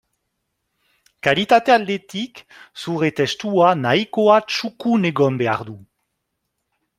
Kalitate aldetik, zure testua nahikoa txukun egon behar du.